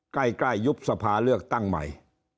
ใกล้ยุบสภาเลือกตั้งใหม่